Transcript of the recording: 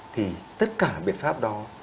thì tất cả biện pháp đó